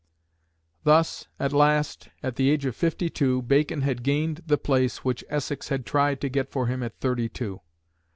Thus, at last, at the age of fifty two, Bacon had gained the place which Essex had tried to get for him at thirty two.